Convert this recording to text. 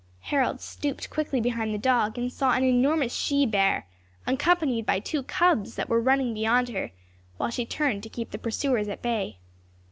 Harold stooped quickly behind the dog, and saw an enormous she bear, accompanied by two cubs that were running beyond her, while she turned to keep the pursuers at bay.